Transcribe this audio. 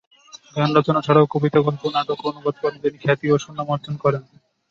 গান রচনা ছাড়াও কবিতা, গল্প, নাটক ও অনুবাদ কর্মে তিনি খ্যাতি ও সুনাম অর্জন করেন।